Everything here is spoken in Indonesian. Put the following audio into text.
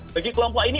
bagi kelompok ini